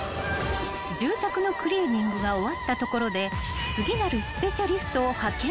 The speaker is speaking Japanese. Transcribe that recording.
［住宅のクリーニングが終わったところで次なるスペシャリストを派遣］